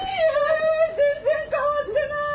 全然変わってない！